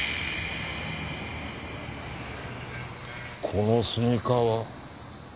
このスニーカーは。